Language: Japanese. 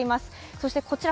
そしてこちら